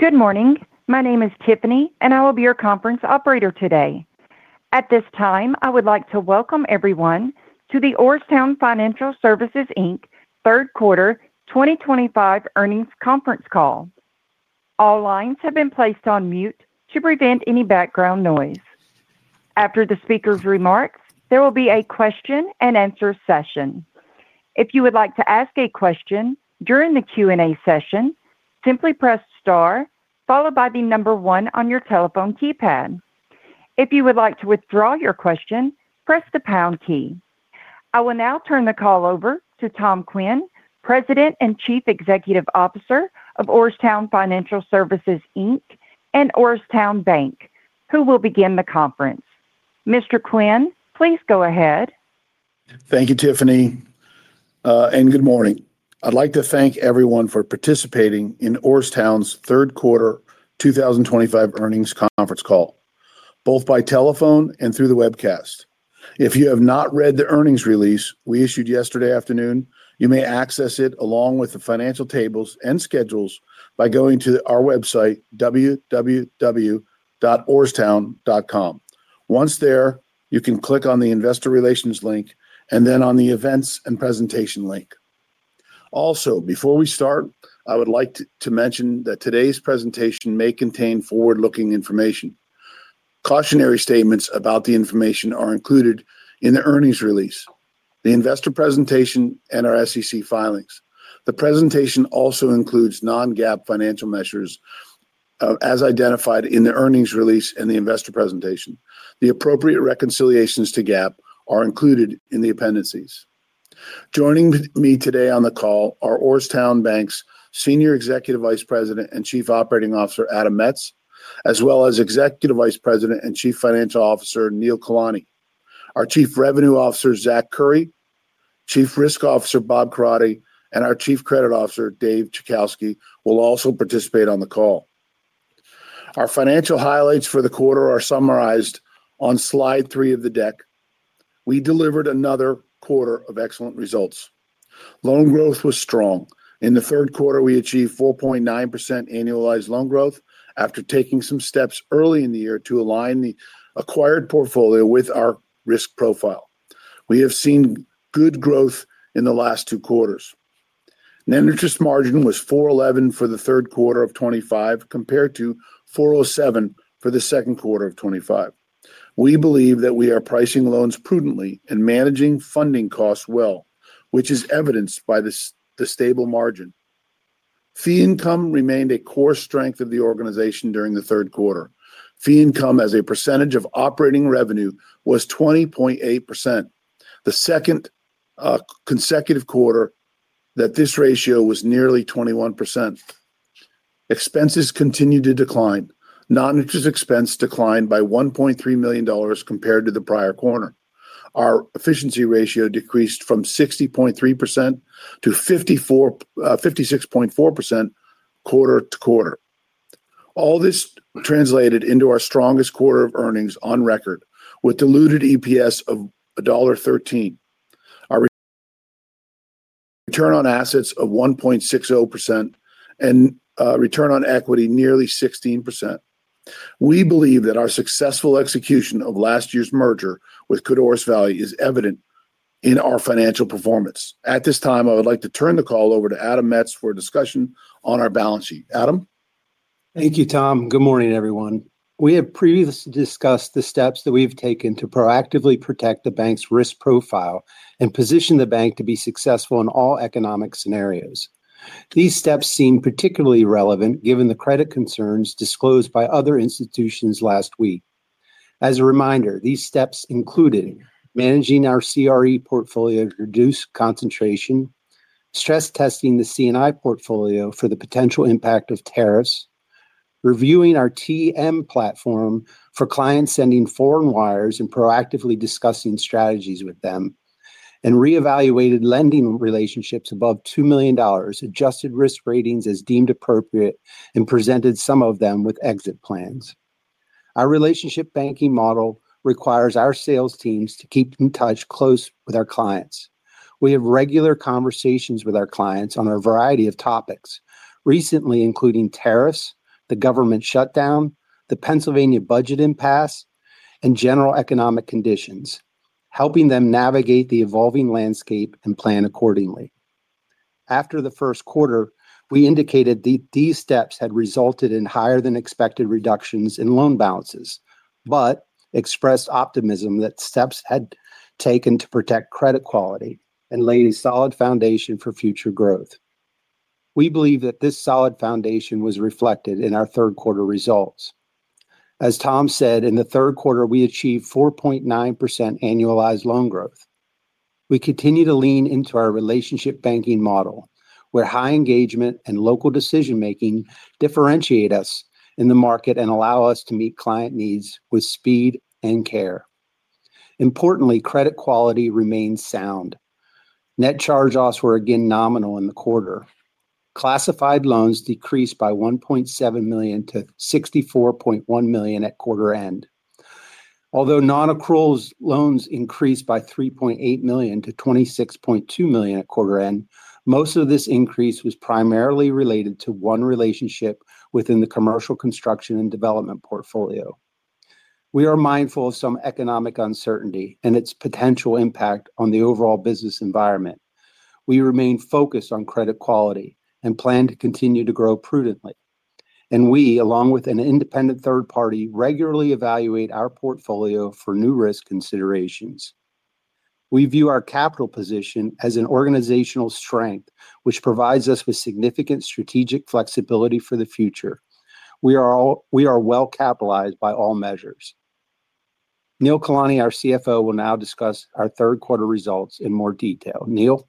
Good morning. My name is Tiffany, and I will be your conference operator today. At this time, I would like to welcome everyone to the Orrstown Financial Services, Inc. Third Quarter 2025 Earnings Conference Call. All lines have been placed on mute to prevent any background noise. After the speaker's remarks, there will be a question and answer session. If you would like to ask a question during the Q&A session, simply press star, followed by the number one on your telephone keypad. If you would like to withdraw your question, press the pound key. I will now turn the call over to Tom Quinn, President and Chief Executive Officer of Orrstown Financial Services, Inc. and Orrstown Bank, who will begin the conference. Mr. Quinn, please go ahead. Thank you, Tiffany, and good morning. I'd like to thank everyone for participating in Orrstown's Third Quarter 2025 Earnings Conference Call, both by telephone and through the webcast. If you have not read the earnings release we issued yesterday afternoon, you may access it along with the financial tables and schedules by going to our website, www.orrstown.com. Once there, you can click on the Investor Relations link and then on the Events and Presentation link. Also, before we start, I would like to mention that today's presentation may contain forward-looking information. Cautionary statements about the information are included in the earnings release, the investor presentation, and our SEC filings. The presentation also includes non-GAAP financial measures as identified in the earnings release and the investor presentation. The appropriate reconciliations to GAAP are included in the appendices. Joining me today on the call are Orrstown Bank's Senior Executive Vice President and Chief Operating Officer Adam Metz, as well as Executive Vice President and Chief Financial Officer Neelesh Kalani. Our Chief Revenue Officer Zach Curry, Chief Risk Officer Bob Coradi, and our Chief Credit Officer Dave Chajkowski will also participate on the call. Our financial highlights for the quarter are summarized on slide three of the deck. We delivered another quarter of excellent results. Loan growth was strong. In the third quarter, we achieved 4.9% annualized loan growth after taking some steps early in the year to align the acquired portfolio with our risk profile. We have seen good growth in the last two quarters. Net interest margin was 4.11% for the third quarter of 2025 compared to 4.07% for the second quarter of 2025. We believe that we are pricing loans prudently and managing funding costs well, which is evidenced by the stable margin. Fee income remained a core strength of the organization during the third quarter. Fee income as a percentage of operating revenue was 20.8%. The second consecutive quarter that this ratio was nearly 21%. Expenses continued to decline. Non-interest expense declined by $1.3 million compared to the prior quarter. Our efficiency ratio decreased from 60.3% to 56.4% quarter to quarter. All this translated into our strongest quarter of earnings on record, with a diluted EPS of $1.13. Our return on assets of 1.60% and return on equity nearly 16%. We believe that our successful execution of last year's merger with Kudor's Value is evident in our financial performance. At this time, I would like to turn the call over to Adam Metz for a discussion on our balance sheet. Adam. Thank you, Tom. Good morning, everyone. We have previously discussed the steps that we've taken to proactively protect the bank's risk profile and position the bank to be successful in all economic scenarios. These steps seem particularly relevant given the credit concerns disclosed by other institutions last week. As a reminder, these steps included managing our CRE portfolio to reduce concentration, stress testing the C&I portfolio for the potential impact of tariffs, reviewing our TM platform for clients sending foreign wires, proactively discussing strategies with them, and reevaluated lending relationships above $2 million, adjusted risk ratings as deemed appropriate, and presented some of them with exit plans. Our relationship banking model requires our sales teams to keep in close touch with our clients. We have regular conversations with our clients on a variety of topics, recently including tariffs, the government shutdown, the Pennsylvania budget impasse, and general economic conditions, helping them navigate the evolving landscape and plan accordingly. After the first quarter, we indicated that these steps had resulted in higher than expected reductions in loan balances but expressed optimism that steps had taken to protect credit quality and laid a solid foundation for future growth. We believe that this solid foundation was reflected in our third quarter results. As Tom said, in the third quarter, we achieved 4.9% annualized loan growth. We continue to lean into our relationship banking model, where high engagement and local decision-making differentiate us in the market and allow us to meet client needs with speed and care. Importantly, credit quality remains sound. Net charge-offs were again nominal in the quarter. Classified loans decreased by $1.7 million to $64.1 million at quarter end. Although non-accrual loans increased by $3.8 million to $26.2 million at quarter end, most of this increase was primarily related to one relationship within the commercial construction and development portfolio. We are mindful of some economic uncertainty and its potential impact on the overall business environment. We remain focused on credit quality and plan to continue to grow prudently. We, along with an independent third party, regularly evaluate our portfolio for new risk considerations. We view our capital position as an organizational strength, which provides us with significant strategic flexibility for the future. We are well capitalized by all measures. Neelesh Kalani, our CFO, will now discuss our third quarter results in more detail. Neelesh: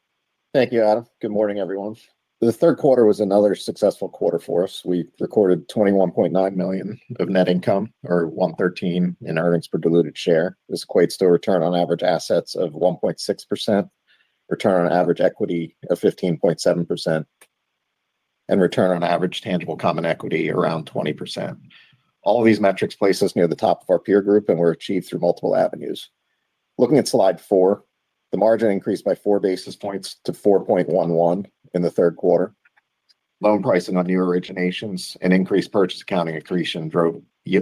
Thank you, Adam. Good morning, everyone. The third quarter was another successful quarter for us. We recorded $21.9 million of net income or $1.13 in earnings per diluted share. This equates to a return on average assets of 1.6%, return on average equity of 15.7%, and return on average tangible common equity around 20%. All these metrics place us near the top of our peer group and were achieved through multiple avenues. Looking at slide four, the margin increased by four basis points to 4.11% in the third quarter. Loan pricing on new originations and increased purchase accounting accretion drove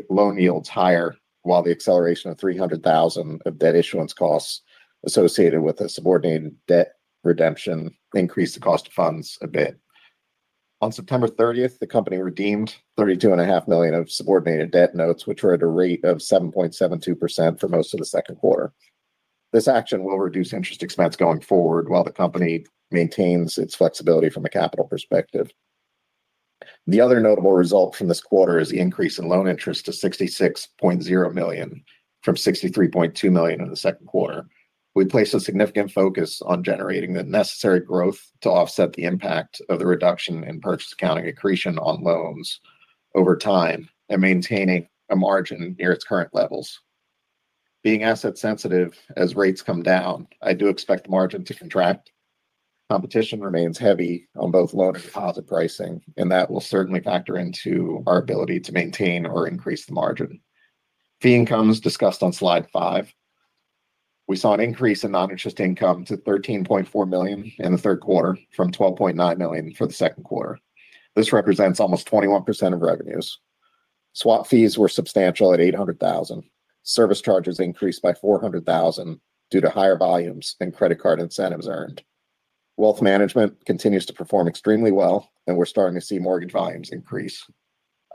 loan yields higher, while the acceleration of $300,000 of debt issuance costs associated with a subordinated debt redemption increased the cost of funds a bit. On September 30, the company redeemed $32.5 million of subordinated debt notes, which were at a rate of 7.72% for most of the second quarter. This action will reduce interest expense going forward while the company maintains its flexibility from a capital perspective. The other notable result from this quarter is the increase in loan interest to $66.0 million from $63.2 million in the second quarter. We place a significant focus on generating the necessary growth to offset the impact of the reduction in purchase accounting accretion on loans over time and maintaining a margin near its current levels. Being asset-sensitive, as rates come down, I do expect the margin to contract. Competition remains heavy on both loan and deposit pricing, and that will certainly factor into our ability to maintain or increase the margin. Fee income is discussed on slide five. We saw an increase in non-interest income to $13.4 million in the third quarter from $12.9 million for the second quarter. This represents almost 21% of revenues. SWAT fees were substantial at $800,000. Service charges increased by $400,000 due to higher volumes and credit card incentives earned. Wealth management continues to perform extremely well, and we're starting to see mortgage volumes increase.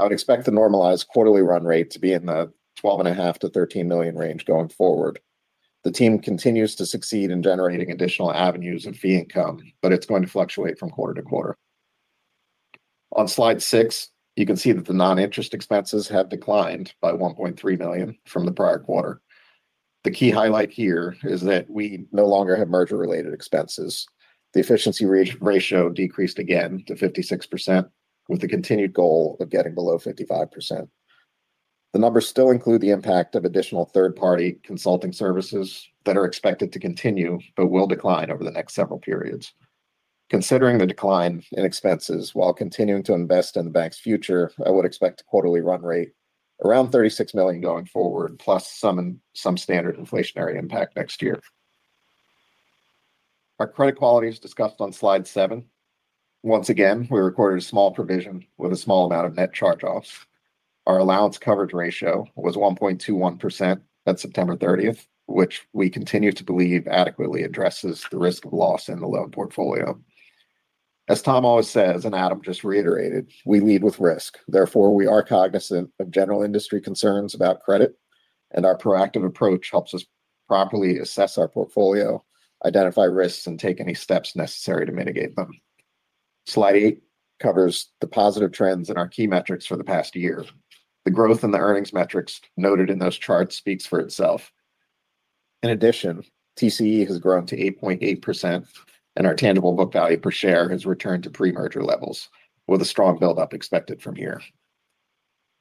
I would expect the normalized quarterly run rate to be in the $12.5 to $13 million range going forward. The team continues to succeed in generating additional avenues of fee income, but it's going to fluctuate from quarter to quarter. On slide six, you can see that the non-interest expenses have declined by $1.3 million from the prior quarter. The key highlight here is that we no longer have merger-related expenses. The efficiency ratio decreased again to 56%, with the continued goal of getting below 55%. The numbers still include the impact of additional third-party consulting services that are expected to continue but will decline over the next several periods. Considering the decline in expenses while continuing to invest in the bank's future, I would expect a quarterly run rate around $36 million going forward, plus some standard inflationary impact next year. Our credit quality is discussed on slide seven. Once again, we recorded a small provision with a small amount of net charge-offs. Our allowance coverage ratio was 1.21% at September 30, which we continue to believe adequately addresses the risk of loss in the loan portfolio. As Tom always says, and Adam just reiterated, we lead with risk. Therefore, we are cognizant of general industry concerns about credit, and our proactive approach helps us properly assess our portfolio, identify risks, and take any steps necessary to mitigate them. Slide eight covers the positive trends in our key metrics for the past year. The growth in the earnings metrics noted in those charts speaks for itself. In addition, TCE has grown to 8.8%, and our tangible book value per share has returned to pre-merger levels, with a strong buildup expected from here.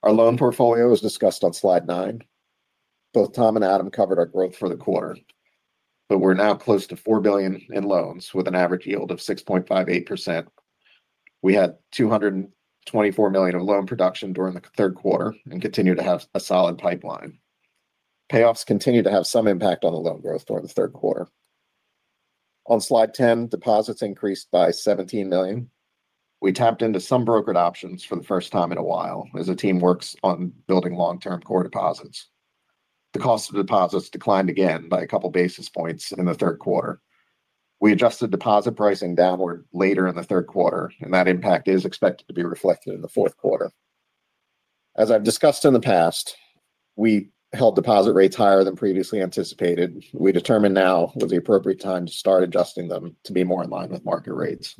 Our loan portfolio is discussed on slide nine. Both Tom and Adam covered our growth for the quarter, but we're now close to $4 billion in loans with an average yield of 6.58%. We had $224 million of loan production during the third quarter and continue to have a solid pipeline. Payoffs continue to have some impact on the loan growth during the third quarter. On slide ten, deposits increased by $17 million. We tapped into some brokered options for the first time in a while as the team works on building long-term core deposits. The cost of deposits declined again by a couple basis points in the third quarter. We adjusted deposit pricing downward later in the third quarter, and that impact is expected to be reflected in the fourth quarter. As I've discussed in the past, we held deposit rates higher than previously anticipated. We determine now was the appropriate time to start adjusting them to be more in line with market rates.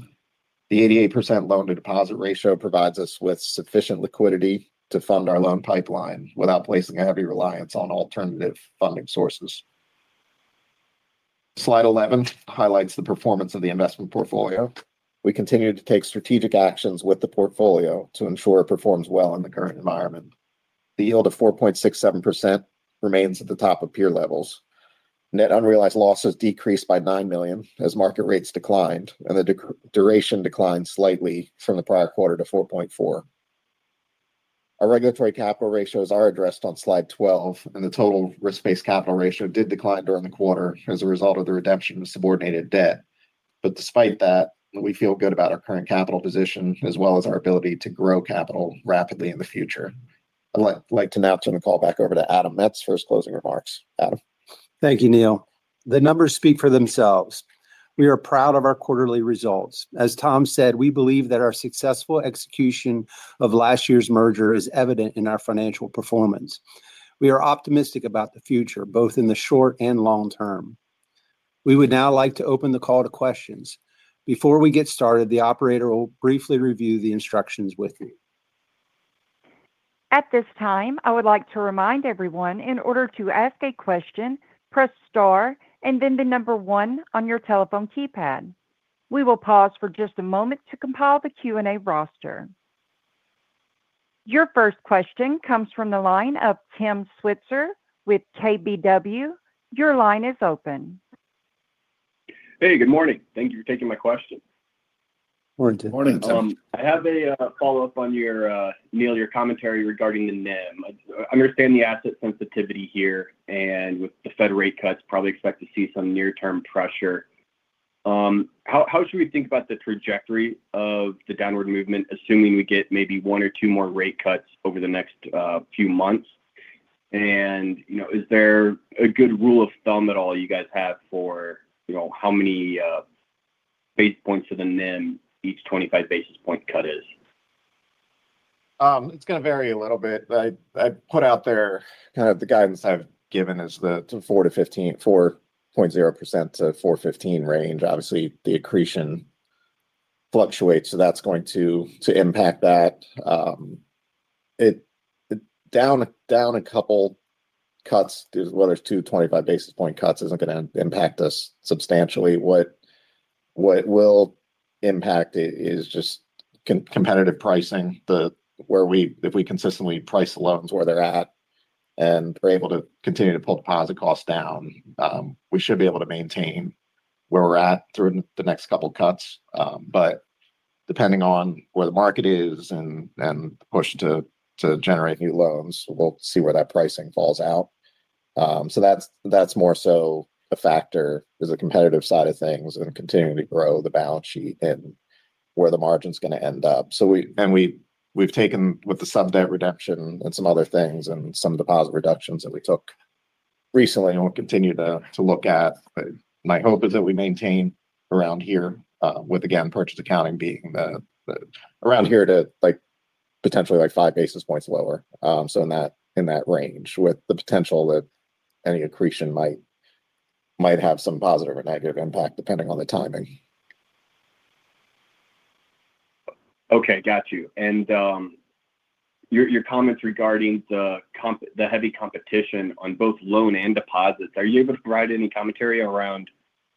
The 88% loan-to-deposit ratio provides us with sufficient liquidity to fund our loan pipeline without placing a heavy reliance on alternative funding sources. Slide 11 highlights the performance of the investment portfolio. We continue to take strategic actions with the portfolio to ensure it performs well in the current environment. The yield of 4.67% remains at the top of peer levels. Net unrealized losses decreased by $9 million as market rates declined, and the duration declined slightly from the prior quarter to 4.4. Our regulatory capital ratios are addressed on slide 12, and the total risk-based capital ratio did decline during the quarter as a result of the redemption of subordinated debt. Despite that, we feel good about our current capital position as well as our ability to grow capital rapidly in the future. I'd like to now turn the call back over to Adam Metz for his closing remarks. Adam. Thank you, Neelesh. The numbers speak for themselves. We are proud of our quarterly results. As Tom said, we believe that our successful execution of last year's merger is evident in our financial performance. We are optimistic about the future, both in the short and long term. We would now like to open the call to questions. Before we get started, the operator will briefly review the instructions with you. At this time, I would like to remind everyone, in order to ask a question, press star and then the number one on your telephone keypad. We will pause for just a moment to compile the Q&A roster. Your first question comes from the line of Tim Switzer with KBW. Your line is open. Hey, good morning. Thank you for taking my question. Morning, Tim. I have a follow-up on your commentary regarding the NIM. I understand the asset sensitivity here, and with the Fed rate cuts, probably expect to see some near-term pressure. How should we think about the trajectory of the downward movement, assuming we get maybe one or two more rate cuts over the next few months? Is there a good rule of thumb at all you guys have for how many basis points of the NIM each 25 basis point cut is? It's going to vary a little bit. I put out there kind of the guidance I've given is the 4.0% to 4.15% range. Obviously, the accretion fluctuates, so that's going to impact that. Down a couple cuts, whether it's two 25 basis point cuts, isn't going to impact us substantially. What will impact it is just competitive pricing. If we consistently price the loans where they're at and are able to continue to pull deposit costs down, we should be able to maintain where we're at through the next couple cuts. Depending on where the market is and the push to generate new loans, we'll see where that pricing falls out. That's more so a factor, the competitive side of things and continuing to grow the balance sheet and where the margin is going to end up. We've taken with the sub-debt redemption and some other things and some deposit reductions that we took recently and we'll continue to look at. My hope is that we maintain around here with, again, purchase accounting being around here to potentially like five basis points lower. In that range with the potential that any accretion might have some positive or negative impact depending on the timing. Okay, got you. Your comments regarding the heavy competition on both loan and deposits, are you able to provide any commentary around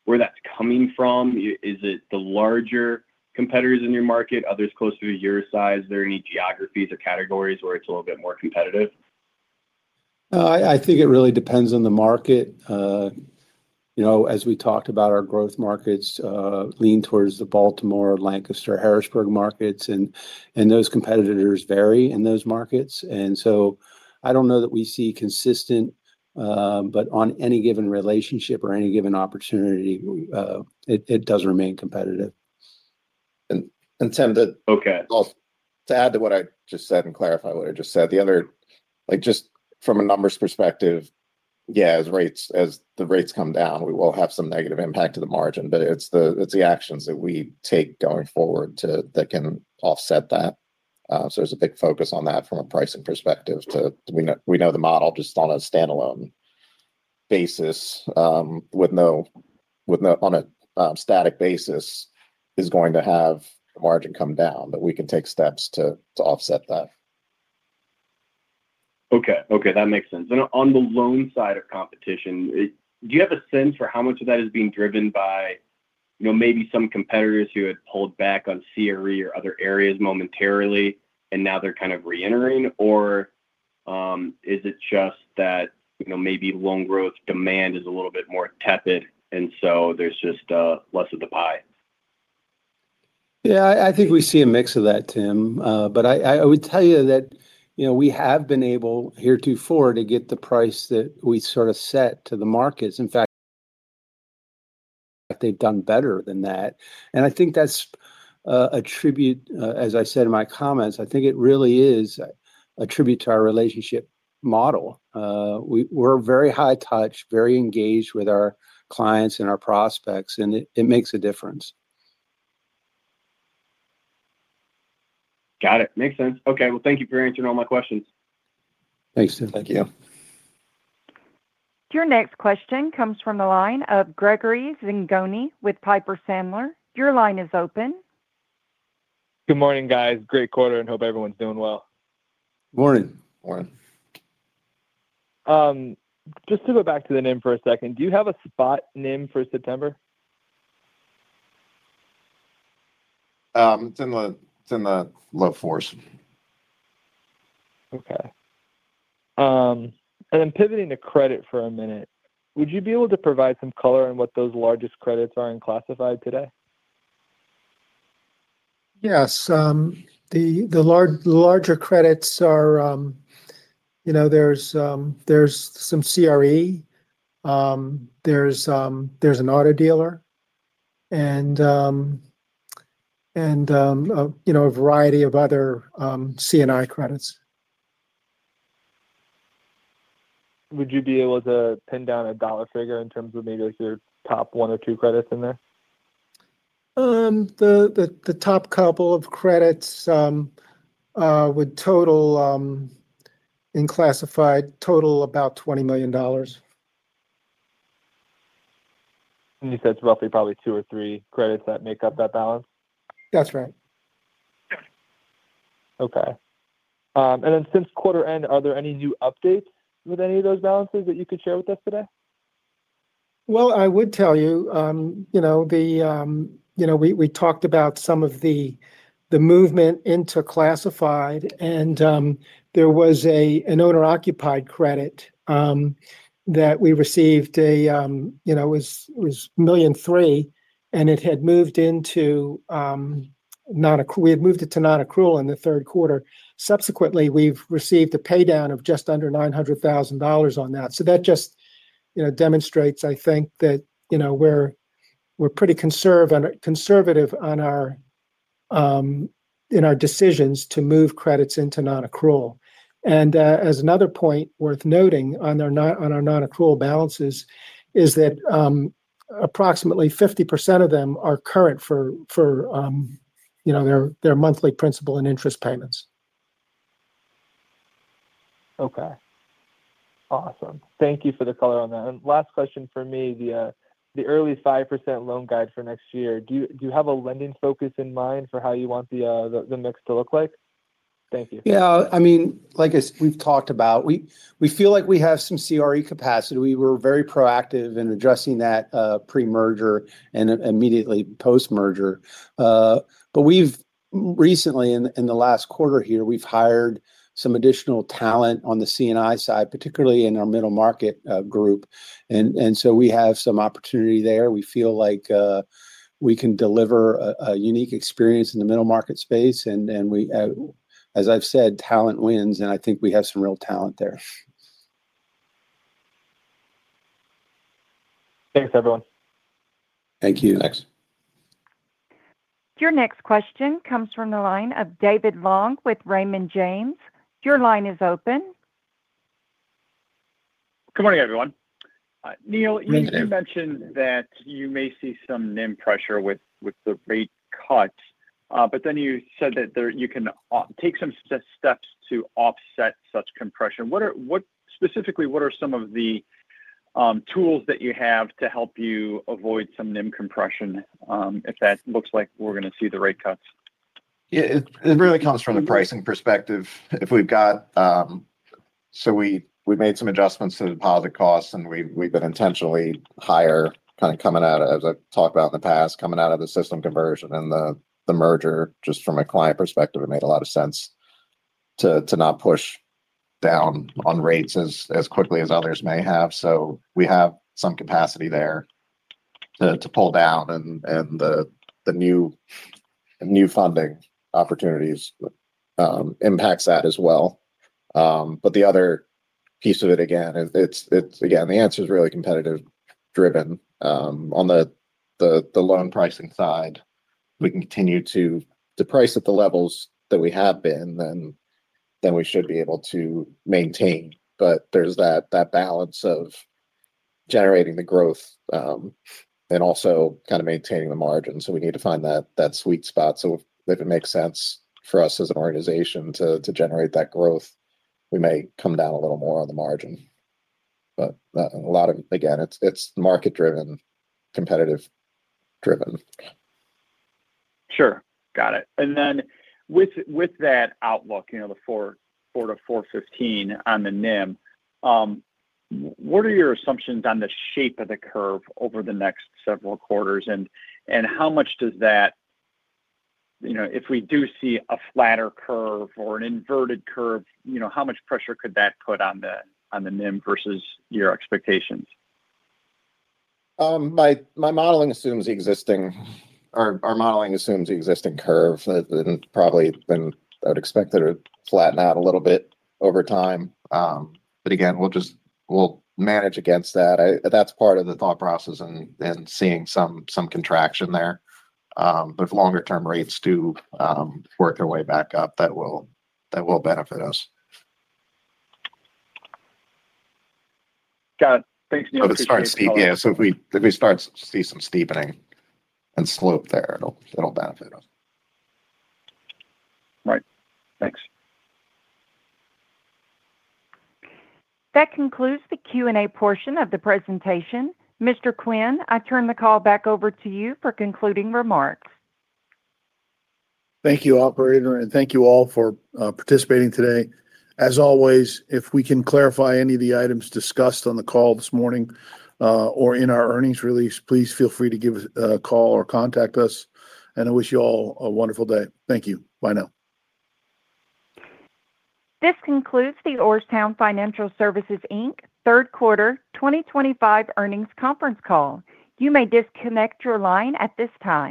where that's coming from? Is it the larger competitors in your market, others closer to your size? Are there any geographies or categories where it's a little bit more competitive? I think it really depends on the market. You know, as we talked about, our growth markets lean towards the Baltimore, Lancaster, Harrisburg markets, and those competitors vary in those markets. I don't know that we see consistent, but on any given relationship or any given opportunity, it does remain competitive. Tim, to add to what I just said and clarify what I just said, just from a numbers perspective, yeah, as the rates come down, we will have some negative impact to the margin, but it's the actions that we take going forward that can offset that. There's a big focus on that from a pricing perspective. We know the model just on a standalone basis with no, on a static basis, is going to have the margin come down, but we can take steps to offset that. Okay, that makes sense. On the loan side of competition, do you have a sense for how much of that is being driven by maybe some competitors who had pulled back on CRE or other areas momentarily and now they're kind of reentering, or is it just that maybe loan growth demand is a little bit more tepid and so there's just less of the pie? Yeah, I think we see a mix of that, Tim. I would tell you that we have been able here too far to get the price that we sort of set to the markets. In fact, they've done better than that. I think that's a tribute, as I said in my comments, it really is a tribute to our relationship model. We're very high-touch, very engaged with our clients and our prospects, and it makes a difference. Got it. Makes sense. Thank you for answering all my questions. Thanks, Tim. Thank you. Your next question comes from the line of Gregory Zingone with Piper Sandler. Your line is open. Good morning, guys. Great quarter, and hope everyone's doing well. Morning. Morning. Just to go back to the NIM for a second, do you have a spot NIM for September? It's in the low 4s. Okay. Pivoting to credit for a minute, would you be able to provide some color on what those largest credits are in classified today? Yes. The larger credits are, you know, there's some CRE, there's an auto dealer, and you know, a variety of other C&I credits. Would you be able to pin down a dollar figure in terms of maybe like your top one or two credits in there? The top couple of credits would total in classified total about $20 million. You said it's roughly probably two or three credits that make up that balance? That's right. Okay. Since quarter end, are there any new updates with any of those balances that you could share with us today? I would tell you, you know, we talked about some of the movement into classified, and there was an owner-occupied credit that we received a, you know, it was $1.3 million, and it had moved into, we had moved it to non-accrual in the third quarter. Subsequently, we've received a paydown of just under $900,000 on that. That just, you know, demonstrates, I think, that, you know, we're pretty conservative in our decisions to move credits into non-accrual. As another point worth noting on our non-accrual balances is that approximately 50% of them are current for, you know, their monthly principal and interest payments. Okay. Awesome. Thank you for the color on that. Last question for me, the early 5% loan guide for next year, do you have a lending focus in mind for how you want the mix to look like? Thank you. Yeah, I mean, like we've talked about, we feel like we have some CRE capacity. We were very proactive in addressing that pre-merger and immediately post-merger. We've recently, in the last quarter here, hired some additional talent on the C&I side, particularly in our middle market group, so we have some opportunity there. We feel like we can deliver a unique experience in the middle market space. As I've said, talent wins, and I think we have some real talent there. Thanks, everyone. Thank you. Thanks. Your next question comes from the line of David Long with Raymond James. Your line is open. Good morning, everyone. Neelesh, you mentioned that you may see some NIM pressure with the rate cuts, but then you said that you can take some steps to offset such compression. What specifically, what are some of the tools that you have to help you avoid some NIM compression if that looks like we're going to see the rate cuts? Yeah, it really comes from the pricing perspective. If we've got, we made some adjustments to deposit costs, and we've been intentionally higher kind of coming out, as I've talked about in the past, coming out of the system conversion and the merger. From a client perspective, it made a lot of sense to not push down on rates as quickly as others may have. We have some capacity there to pull down, and the new funding opportunities impact that as well. The other piece of it, again, the answer is really competitive-driven. On the loan pricing side, we can continue to price at the levels that we have been, and we should be able to maintain. There's that balance of generating the growth and also kind of maintaining the margin. We need to find that sweet spot. If it makes sense for us as an organization to generate that growth, we may come down a little more on the margin. A lot of it, again, is market-driven, competitive-driven. Got it. With that outlook, you know, the 4 to 4.15 on the NIM, what are your assumptions on the shape of the curve over the next several quarters? How much does that, you know, if we do see a flatter curve or an inverted curve, how much pressure could that put on the NIM versus your expectations? Our modeling assumes the existing curve, and probably then I would expect that it would flatten out a little bit over time. Again, we'll manage against that. That's part of the thought process and seeing some contraction there. If longer-term rates do work their way back up, that will benefit us. Got it. Thanks, Neelesh. If we start to see some steepening and slope there, it'll benefit us. Right. Thanks. That concludes the Q&A portion of the presentation. Mr. Quinn, I turn the call back over to you for concluding remarks. Thank you, operator, and thank you all for participating today. As always, if we can clarify any of the items discussed on the call this morning or in our earnings release, please feel free to give us a call or contact us. I wish you all a wonderful day. Thank you. Bye now. This concludes the Orrstown Financial Services, Inc. Third Quarter 2025 Earnings Conference Call. You may disconnect your line at this time.